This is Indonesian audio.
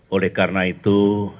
oleh karena itu